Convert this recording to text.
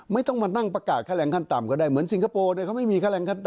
ไม่ต้องมานั่งประกาศค่าแรงขั้นต่ำก็ได้